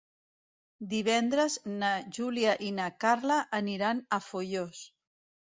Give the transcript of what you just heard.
Divendres na Júlia i na Carla aniran a Foios.